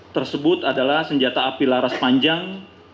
tersebut adalah senjata api laras panjang